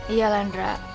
iya lah ndra